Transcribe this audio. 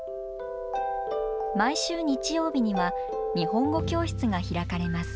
毎週日曜日には、日本語教室が開かれます。